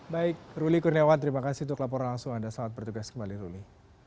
baik ruli kurniawan terima kasih untuk laporan langsung anda selamat bertugas kembali ruli